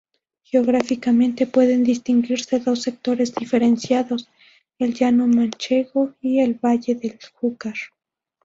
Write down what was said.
Geográficamente pueden distinguirse dos sectores diferenciados: el llano manchego y el valle del Júcar.